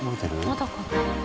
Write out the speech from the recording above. まだかな？